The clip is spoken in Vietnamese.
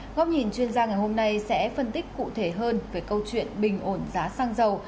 góc nhìn chuyên gia ngày hôm nay sẽ phân tích cụ thể hơn về câu chuyện bình ổn giá xăng dầu